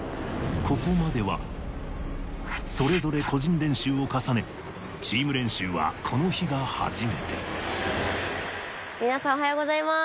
ここまではそれぞれ個人練習を重ねチーム練習はこの日が初めて皆さんおはようございます。